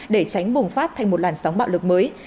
để tránh bùng phát thành một làn sóng bạo lực mới